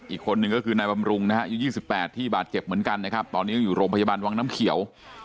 อีกคนนึงก็คือนายบำรุงนะฮะอายุ๒๘ที่บาดเจ็บเหมือนกันนะครับตอนนี้ยังอยู่โรงพยาบาลวังน้ำเขียว